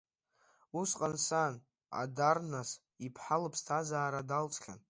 Усҟан сан, Адарнас иԥҳа, лыԥсҭазаара далҵхьан…